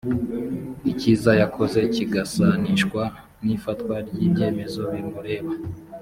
ikiza yakoze kigasanishwa n’ifatwa ry’ibyemezo bimureba